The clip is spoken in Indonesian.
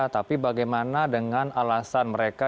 tapi bagaimana dengan alasan mereka